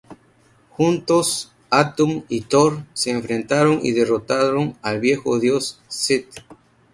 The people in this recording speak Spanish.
Juntos, Atum y Thor se enfrentaron y derrotaron al Viejo Dios Set.